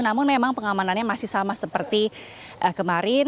namun memang pengamanannya masih sama seperti kemarin